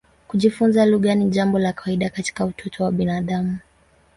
Kujifunza lugha ni jambo la kawaida katika utoto wa binadamu.